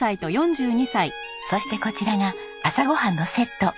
そしてこちらが朝ごはんのセット。